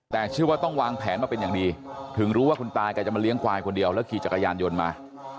แต่เชื่อว่าต้องวางแผนมาเป็นอย่างดีถึงรู้ว่าคุณตาแกจะมาเลี้ยงควายคนเดียวแล้วขี่จักรยานยนต์มา